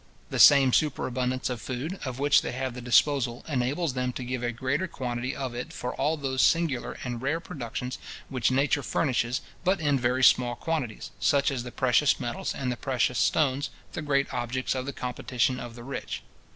The same superabundance of food, of which they have the disposal, enables them to give a greater quantity of it for all those singular and rare productions which nature furnishes but in very small quantities; such as the precious metals and the precious stones, the great objects of the competition of the rich.